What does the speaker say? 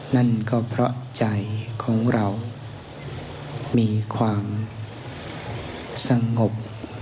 นั่นก็เพราะใจของเรามีความสงบ